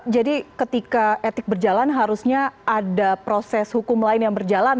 jadi ketika etik berjalan harusnya ada proses hukum lain yang berjalan